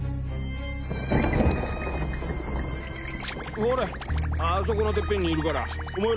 ほれあそこのてっぺんにいるからお前ら。